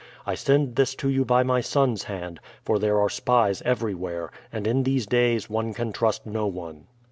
I send this to you by my son's hand, for there are spies everywhere, and in these days one can trust no one."